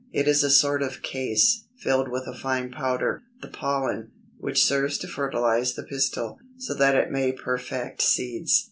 It is a sort of case, filled with a fine powder, the Pollen, which serves to fertilize the pistil, so that it may perfect seeds.